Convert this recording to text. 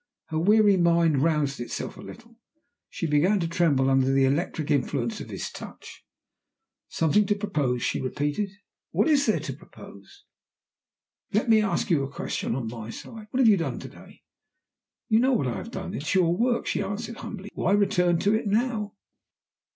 Her weary mind roused itself a little. She began to tremble under the electric influence of his touch. "Something to propose?" she repeated, "What is there to propose?" "Let me ask you a question on my side. What have you done to day?" "You know what I have done: it is your work," she answered, humbly. "Why return to it now?"